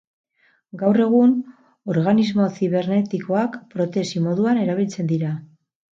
Gaur egun, organismo zibernetikoak protesi moduan erabiltzen dira.